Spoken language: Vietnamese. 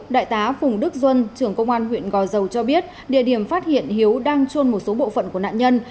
đại tá phùng đức duân trưởng công an huyện gò dầu cho biết địa điểm phát hiện hiếu đang trôn một số bộ phận của nạn nhân